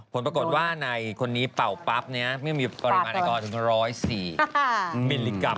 ผลปรากฏว่าในคนนี้เป่าปั๊บไม่มีปริมาณแอลกอฮอลถึง๑๐๔มิลลิกรัม